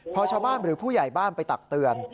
พอชาวบ้านหรือผู้ใหญ่บ้านไปตักเตือน